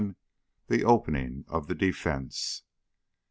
THE OPENING OF THE DEFENCE.